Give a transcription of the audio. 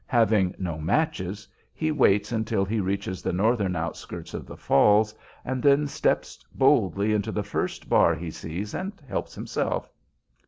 Having no matches he waits until he reaches the northern outskirts of the Falls, and then steps boldly into the first bar he sees and helps himself.